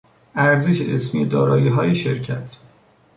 ارزش اسمی داراییهای شرکت